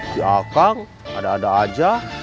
jangan ada ada saja